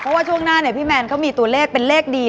เพราะว่าช่วงหน้าเนี่ยพี่แมนเขามีตัวเลขเป็นเลขดี